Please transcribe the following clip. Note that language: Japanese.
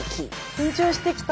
緊張してきた。